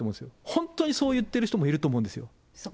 本当にそう言ってる人もいると思うんですよ。